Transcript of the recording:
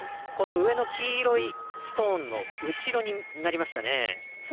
上の黄色いストーンの後ろになりましたね。